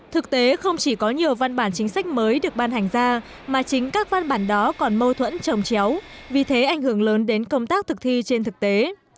thực tế không chỉ có nhiều văn bản chính sách mới được ban hành ra mà chính các văn bản đó còn mâu thuẫn trồng chéo vì thế ảnh hưởng lớn đến công tác thực thi trên thực tế